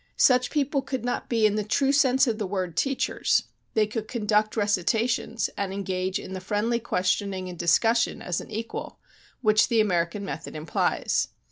Such people could not be in the true sense of the word teachers; they could 'conduct recitations' and engage in the friendly questioning and discussion as an equal, which the American method implies.